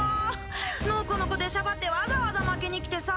のこのこでしゃばってわざわざ負けにきてさ。